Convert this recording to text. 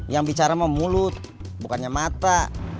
yang bicara sama mulut bukannya mata